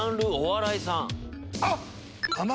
あっ！